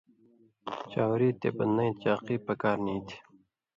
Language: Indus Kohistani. چاؤری تے بدنَیں چاقی پکار نی تھی